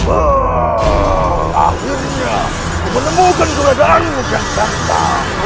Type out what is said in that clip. akhirnya aku menemukan keberadaanmu gensharka